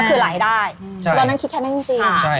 ก็คือหลายได้เรานั้นคิดแค่นั้นจริง